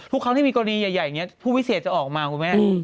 ทุกครั้งที่มีกรณีใหญ่อย่างนี้ผู้พิเศษจะออกมาคุณแม่